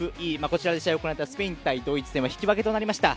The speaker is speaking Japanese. こちらで試合が行われたスペイン対ドイツは引き分けとなりました。